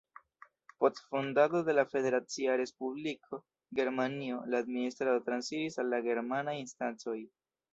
Post fondado de la Federacia Respubliko Germanio la administrado transiris al la germanaj instancoj.